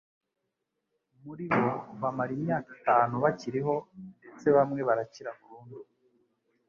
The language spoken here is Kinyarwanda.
muri bo bamara imyaka itanu bakiriho ndetse bamwe barakira burundu.